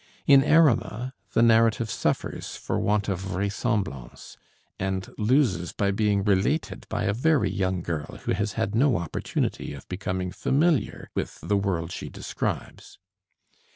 In 'Erema,' the narrative suffers for want of vraisemblance, and loses by being related by a very young girl who has had no opportunity of becoming familiar with the world she describes.